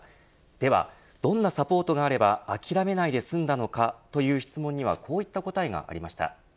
では、どんなサポートがあれば諦めないで済んだのかという質問にはこういった答えがありました。